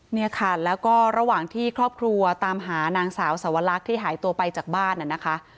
เนี่ยค่ะแล้วก็ระหว่างที่ครอบครัวตามหานางสาวสวรรคที่หายตัวไปจากบ้านน่ะนะคะ